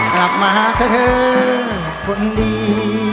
กลับมาซะเถอะคุณดี